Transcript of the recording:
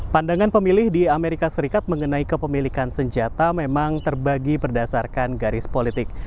pandangan pemilih di amerika serikat mengenai kepemilikan senjata memang terbagi berdasarkan garis politik